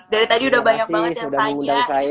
dari tadi sudah banyak banget yang tanya